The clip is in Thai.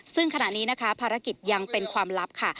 ซึ่งขณะนี้นะคะภารกิจยังเป็นความลับค่ะ